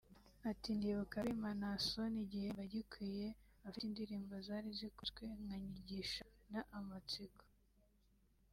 Ati “Ndibuka bima Naason igihembo agikwiye afite indirimbo zari zikunzwe nka Nyigisha na Amatsiko